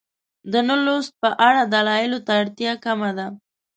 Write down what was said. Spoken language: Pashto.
د نه لوست په اړه دلایلو ته اړتیا کمه ده.